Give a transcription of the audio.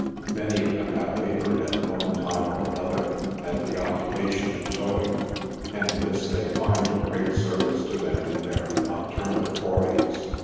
Many of them have labored, at one time or another, at the occupation of towing, and this they find of great service to them in their noctur nal forays.